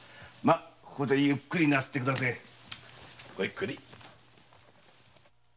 まここでゆっくりなすってくだせえ。